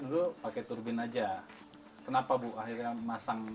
kalau pakai turbin kan kalau dibanjir kan nggak bisa nyala